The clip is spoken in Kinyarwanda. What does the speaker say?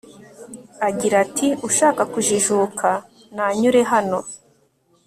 agira ati ushaka kujijuka, nanyure hano